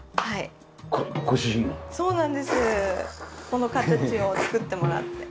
この形を作ってもらって。